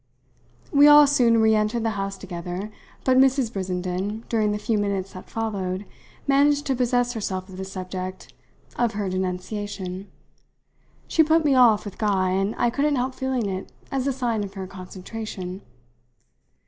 We all soon re entered the house together, but Mrs. Brissenden, during the few minutes that followed, managed to possess herself of the subject of her denunciation. She put me off with Guy, and I couldn't help feeling it as a sign of her concentration.